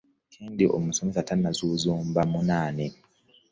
Kendi omusomesa tunazuzumba munane .